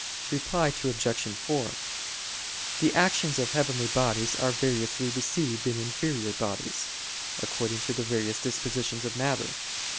Reply Obj. 4: The actions of heavenly bodies are variously received in inferior bodies, according to the various dispositions of matter.